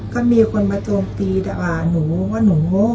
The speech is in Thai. ก็มีคนมาโจมตีด่าหนูว่าหนูโง่